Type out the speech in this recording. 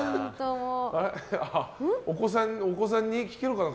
お子さんに聞けるかな？